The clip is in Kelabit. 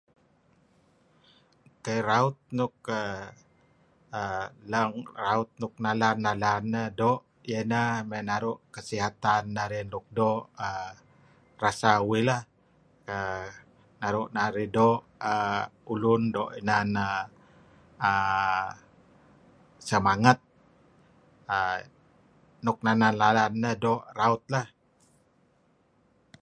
Edtah raut nuk err nalan-nalan eh doo' iyeh ineh naru' kesihatan narih luk doo' [rt] rasa uih lah err naru' narih doo' ulun doo' err inan semangat err nuk nalan-nalan nehdoo' raut lah.